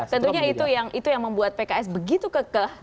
tentunya itu yang membuat pks begitu kekeh